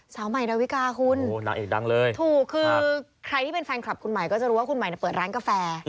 สาวใหม่ดาวิกาคุณถูกคือใครที่เป็นแฟนคลับคุณหมายก็จะรู้ว่าคุณหมายเปิดร้านกาแฟ